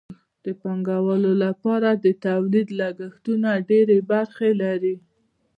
د پانګوالو لپاره د تولید لګښتونه درې برخې لري